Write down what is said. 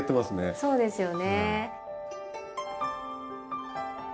そうですよね。